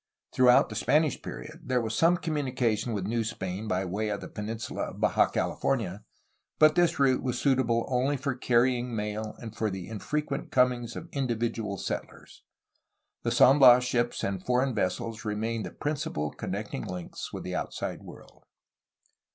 Throughout the Spanish period there was some communication with New Spain by way of the penin sula of Baja California, but this route w'as suitable only for carrying mail and for the infrequent comings of individual settlers. The San Bias ships and foreign vessels remained the principal connecting links with the outside world.